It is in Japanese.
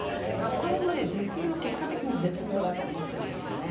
これも結果的に絶妙だと思うんですよね。